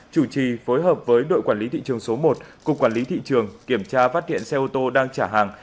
chủ trì phối hợp với đội quản lý thị trường số một cục quản lý thị trường kiểm tra phát hiện xe ô tô đang trả hàng